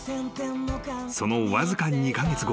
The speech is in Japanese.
［そのわずか２カ月後］